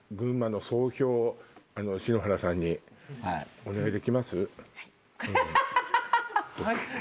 はい。